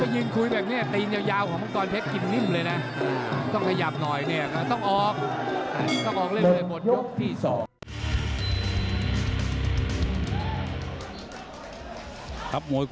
ไปยิงคุยแบบนี้ตีนยาวของมังกรเพชรกินนิ่มเลยนะ